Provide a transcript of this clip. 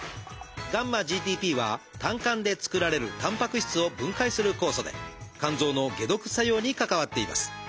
γ−ＧＴＰは胆管で作られるたんぱく質を分解する酵素で肝臓の解毒作用に関わっています。